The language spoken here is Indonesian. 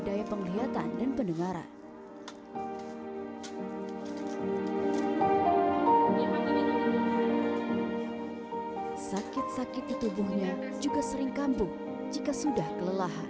daya penglihatan dan pendengaran sakit sakit di tubuhnya juga sering kambuh jika sudah kelelahan